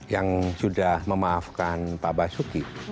yang sudah memaafkan pak basuki